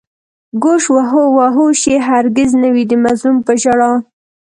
گوش و هوش يې هر گِز نه وي د مظلومو په ژړا